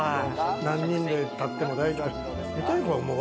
何人で立っても大丈夫。